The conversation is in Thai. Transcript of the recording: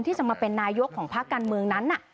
ที่จะมาเป็นนายกของภาคการเมืองนั้น